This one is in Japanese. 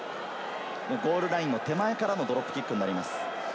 ゴールラインの手前からのドロップキックになります。